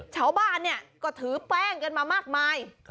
ชาวบ้านเนี่ยก็ถือแป้งกันมามากมาย